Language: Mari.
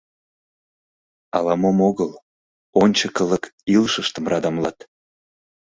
Ала-мом огыл — ончыклык илышыштым радамлат.